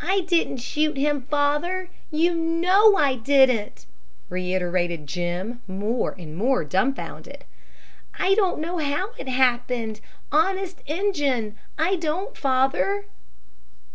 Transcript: "I didn't shoot him, father. You know I didn't!" reiterated Jim, more and more dumfounded. "I don't know how it happened, honest Injun I don't, father!"